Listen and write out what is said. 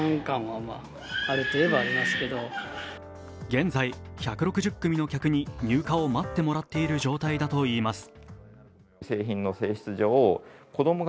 現在１６０組の客に入荷を待ってもらっている状態だといいます。